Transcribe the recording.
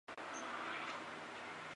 曾任海军西营基地司令员。